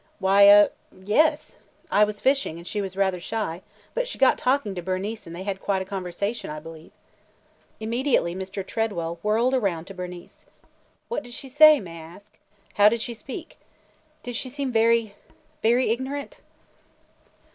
"Why – er – yes. I was fishing and she was rather shy, but she got talking to Bernice and they had quite a conversation, I believe." Immediately Mr. Tredwell whirled around to Bernice. "What did she say, may I ask? How did she speak? Did she seem very – very ignorant?"